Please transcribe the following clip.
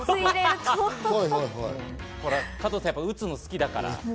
加藤さん、撃つの好きだから。